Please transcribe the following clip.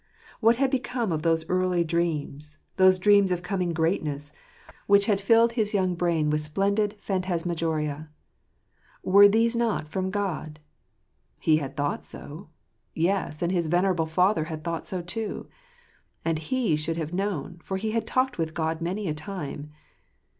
What had become of those early dreams, those dreams of coming greatness, which had filled his "Hail (Soil ftraafutt {rim?" 53 young brain with splendid phantasmagoria? Were these not from God ? He had thought so — yes, and his venerable father had thought so too ; and he should have known, for he had talked with God many a time.